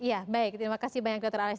ya baik terima kasih banyak dokter alex